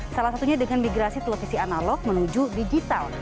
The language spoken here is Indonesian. salah satunya dengan migrasi televisi analog menuju digital